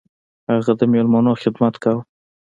هغه د میلمنو خدمت کاوه.